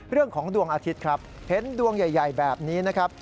ดวงอาทิตย์ครับเห็นดวงใหญ่แบบนี้นะครับ